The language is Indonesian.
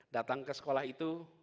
datang ke sekolah itu